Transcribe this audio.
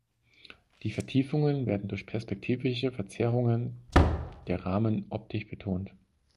Die Vertiefungen werden durch perspektivische Verzerrungen der Rahmen optisch betont.